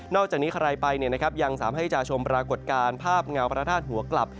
อกจากนี้ใครไปยังสามารถให้จะชมปรากฏการณ์ภาพเงาพระธาตุหัวกลับ